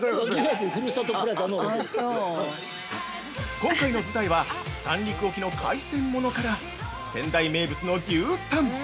◆今回の舞台は、三陸沖の海鮮ものから、仙台名物の牛タン。